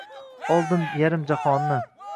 Oldim yarim jahonni.